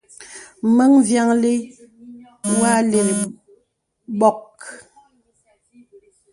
Bəŋ vyàŋli wɔ àlirì bɔ̀k.